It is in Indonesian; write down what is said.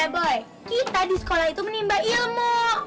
eh boy kita di sekolah itu menimba ilmu